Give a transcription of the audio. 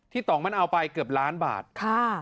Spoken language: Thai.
ที่ต้องมันเอาไปเกือบล้านบาท